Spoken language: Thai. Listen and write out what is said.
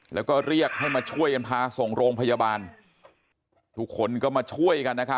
แล้วก็เรียกให้มาช่วยกันพาส่งโรงพยาบาลทุกคนก็มาช่วยกันนะครับ